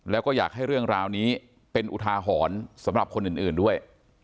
แล้วก็อยากให้เรื่องราวนี้เป็นอุทาหรณ์สำหรับคนอื่นด้วย